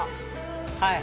はい